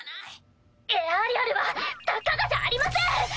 エアリアルはたかがじゃありません！